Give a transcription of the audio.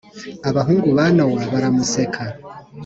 abahungu ba nowa baramuseka